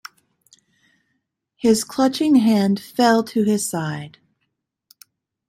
His clutching hand fell to his side.